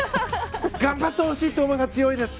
頑張ってほしいという思いが強いです。